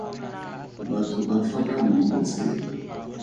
Batho ba tlhoka mmu go tshela.